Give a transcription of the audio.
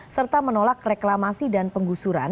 serta menolak reklamasi dan penggusuran